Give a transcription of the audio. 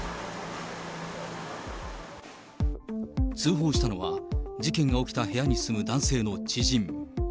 通報したのは、事件が起きた部屋に住む男性の知人。